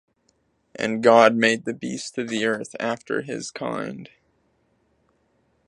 And God made the beast of the earth after his kind